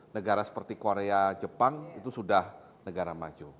negara seperti korea jepang itu sudah negara maju